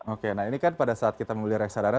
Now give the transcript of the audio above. oke nah ini kan pada saat kita membeli reksadana